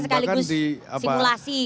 kan sekaligus simulasi katanya tadi